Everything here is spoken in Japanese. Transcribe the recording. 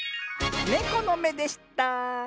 ネコのめでした。